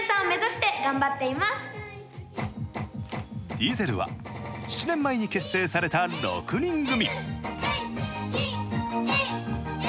ディゼルは、７年前に結成された６人組。